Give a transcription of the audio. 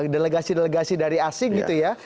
delegasi delegasi dari asing gitu ya